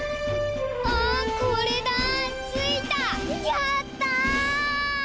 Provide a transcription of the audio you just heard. やった！